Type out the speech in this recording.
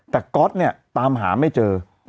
แต่ก๊อตเนี่ยตามหาไม่เจอ